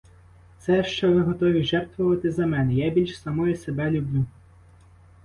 Це, що ви готові жертвувати за мене, я більш самої себе люблю.